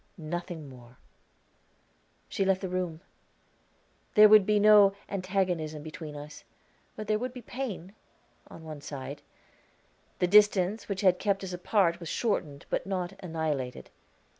"Nothing more." She left the room. There would be no antagonism between us; but there would be pain on one side. The distance which had kept us apart was shortened, but not annihilated.